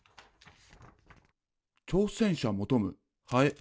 「挑戦者求むハエ」。